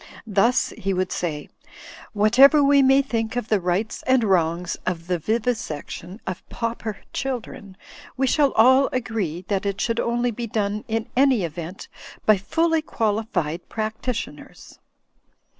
Thus, he would say, ^'Whatever we may think of the rights and wrongs of the vivisection of pauper children, we shall all agree that it should only be done, in any event, by fully quali fied practitioners."